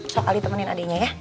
sok ali temenin adenya ya